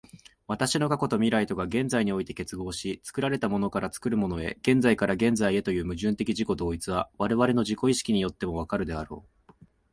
私の過去と未来とが現在において結合し、作られたものから作るものへ、現在から現在へという矛盾的自己同一は、我々の自己意識によっても分かるであろう。